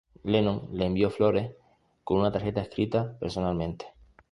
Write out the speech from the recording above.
Lennon le envió flores con una tarjeta escrita personalmente.